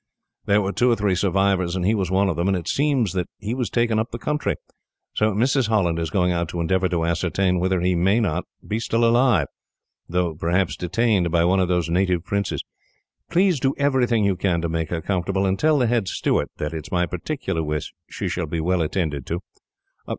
There were two or three survivors, and he was one of them, and it seems that he was taken up the country; so Mrs. Holland is going out to endeavour to ascertain whether he may not be still alive, though perhaps detained by one of those native princes. "Please do everything you can to make her comfortable, and tell the head steward that it is my particular wish she shall be well attended to.